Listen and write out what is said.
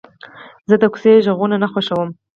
زه د کوڅې غږونه نه خوښوم.